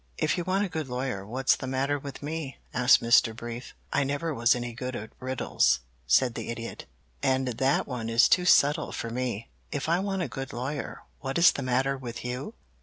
"If you want a good lawyer, what's the matter with me?" asked Mr. Brief. "I never was any good at riddles," said the Idiot, "and that one is too subtle for me. If I want a good lawyer, what is the matter with you?